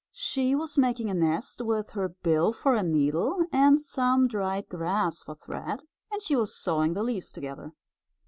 She was making a nest with her bill for a needle and some dried grass for thread, and she was sewing the leaves together.